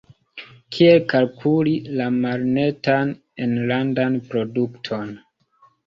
Kiel kalkuli la malnetan enlandan produkton?